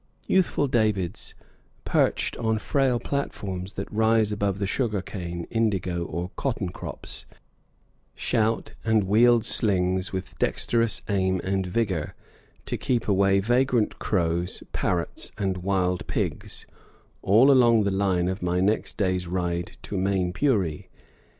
Youthful Davids, perched on frail platforms that rise above the sugar cane, indigo, or cotton crops, shout and wield slings with dexterous aim and vigor, to keep away vagrant crows, parrots, and wild pigs, all along the line of my next day's ride to Mainpuri.